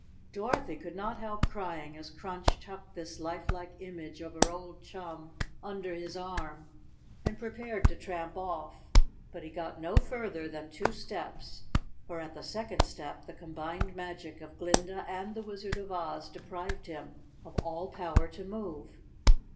Dorothy could not help crying as Crunch tucked this lifelike image of her old chum under his arm and pre¬ pared to tramp off. But he got no further than two steps, for at the second step the combined magic of Glinda and the Wizard of Oz deprived him of all power to move.